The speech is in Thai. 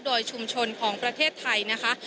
โดยชุมชนของประเทศไทยนะคะ